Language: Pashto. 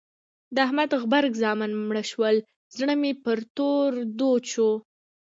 د احمد غبرګ زامن مړه شول؛ زړه مې پر تور دود شو.